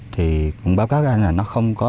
thì cũng báo cáo anh là nó không có